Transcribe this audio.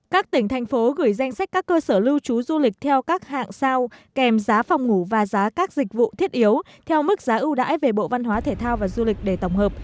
các tỉnh thành phố gửi danh sách các cơ sở lưu trú du lịch theo các hạng sao kèm giá phòng ngủ và giá các dịch vụ thiết yếu theo mức giá ưu đãi về bộ văn hóa thể thao và du lịch để tổng hợp